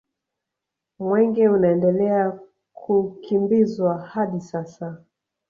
Mwenge unaendelea kukimbizwa hadi sasa